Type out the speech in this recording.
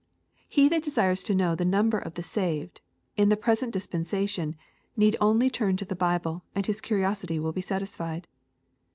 He that desires to know the number of the saved, in the present dispensation, need only turn to the Bible, and his curiosity will be satined.